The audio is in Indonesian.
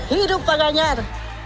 hidup pak ganjar